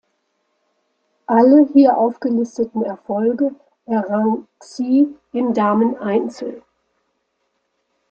Alle hier aufgelisteten Erfolge errang Xie im Dameneinzel.